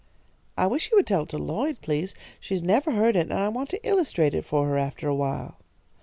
"I wish you would tell it to Lloyd, please. She has never heard it, and I want to illustrate it for her after awhile."